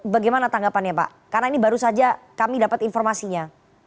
bagaimana tanggapannya pak karena ini baru saja kami dapat informasinya